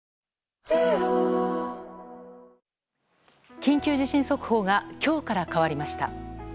緊急地震速報が今日から変わりました。